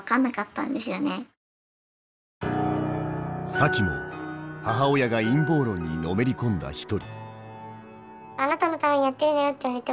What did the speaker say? サキも母親が陰謀論にのめり込んだ一人。